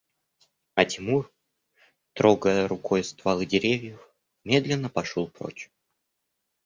А Тимур, трогая рукой стволы деревьев, медленно пошел прочь